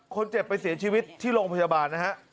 คนเจ็บไปเสียชีวิตที่โรงพยาบาลนะฮะ